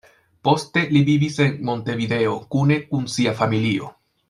Poste li vivis en Montevideo kune kun sia familio.